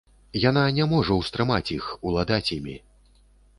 Яна не можа ўстрымаць іх, уладаць імі.